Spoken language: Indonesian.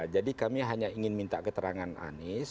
jadi kami hanya ingin minta keterangan anies